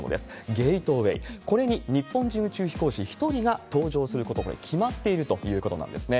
ゲートウェイ、これに日本人宇宙飛行士１人が搭乗すること、これ、決まっているということなんですね。